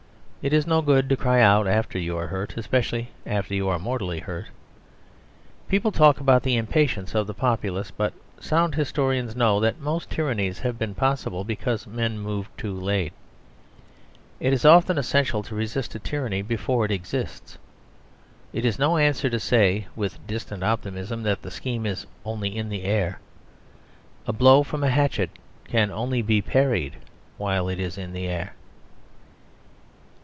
It is no good to cry out after you are hurt; especially after you are mortally hurt. People talk about the impatience of the populace; but sound historians know that most tyrannies have been possible because men moved too late. It is often essential to resist a tyranny before it exists. It is no answer to say, with a distant optimism, that the scheme is only in the air. A blow from a hatchet can only be parried while it is in the air.